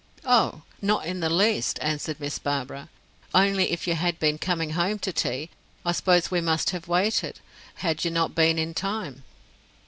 "Oh, not in the least," answered Miss Barbara. "Only if you had been coming home to tea, I suppose we must have waited, had you not been in time."